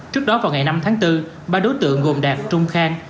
trước đó vào ngày năm tháng bốn ba đối tượng gồm đạt trung khang